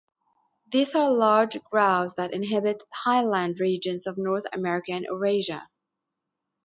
These are large grouse that inhabit highland regions of North America and Eurasia.